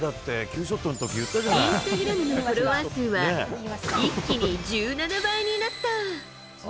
インスタグラムのフォロワー数は一気に１７倍になった！